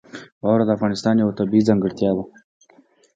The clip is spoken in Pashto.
واوره د افغانستان یوه طبیعي ځانګړتیا ده.